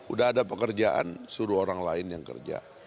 udah ada pekerjaan suruh orang lain yang kerja